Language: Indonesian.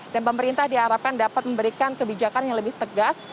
dan pemerintah diharapkan dapat memberikan kebijakan yang lebih tegas